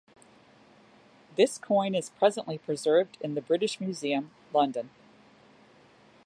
This coin is presently preserved in the British Museum, London.